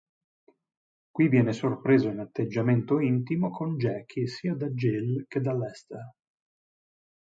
Qui viene sorpreso in atteggiamento intimo con Jackie, sia da Jill che da Lester.